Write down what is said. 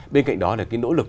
bên cạnh đó là cái nỗ lực